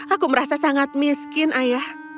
aku merasa sangat miskin ayah